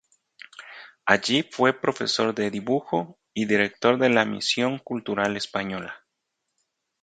Allí fue profesor de dibujo y director de la Misión Cultural Española.